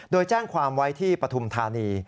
โดยแจ้งความไว้ที่ปฐุมธานี